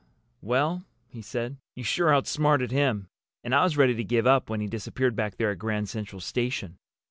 "Well," he said, "you sure outsmarted him! And I was ready to give up when he disappeared back there at Grand Central Station.